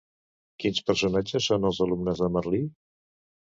Quins personatges són els alumnes de Merlí?